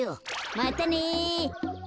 またね。